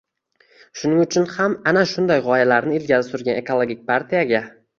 Shuning uchun ham, ana shunday g‘oyalarni ilgari surgan Ekologik partiyaga